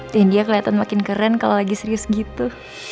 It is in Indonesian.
dan dia kelihatan makin keren kalau lagi serius gitu